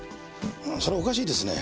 それはおかしいですね。